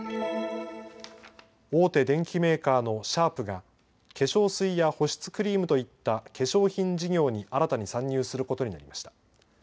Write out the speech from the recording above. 大手電機メーカーのシャープが化粧水や保湿クリームといった化粧品事業に新たに参入することになりました。